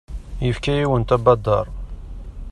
Yefka-yawent abadaṛ.